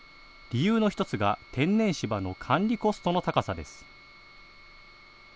理由の１つが天然芝の管理コストの高さです。